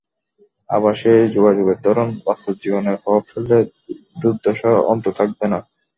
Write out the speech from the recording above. আবার সেই যোগাযোগের ধরন বাস্তব জীবনে প্রভাব ফেললে দুর্দশার অন্ত থাকবে না।